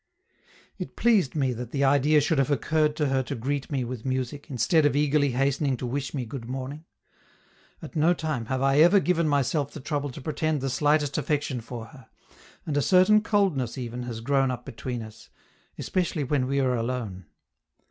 It pleased me that the idea should have occurred to her to greet me with music, instead of eagerly hastening to wish me good morning. At no time have I ever given myself the trouble to pretend the slightest affection for her, and a certain coldness even has grown up between us, especially when we are alone.